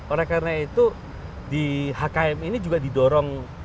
oleh karena itu di hkm ini juga didorong